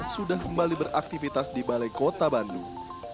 sudah kembali beraktivitas di balai kota bandung